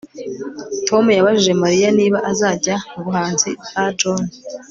Tom yabajije Mariya niba azajya mu buhanzi bwa John